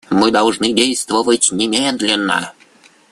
Мы должны действовать немедленно.